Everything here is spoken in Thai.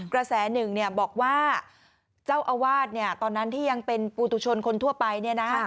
กระแสหนึ่งบอกว่าเจ้าอาวาสตอนนั้นที่ยังเป็นปูตุชนคนทั่วไป